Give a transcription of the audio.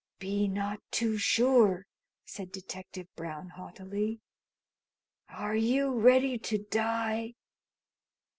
"Be not too sure," said Detective Brown haughtily. "Are you ready to die?"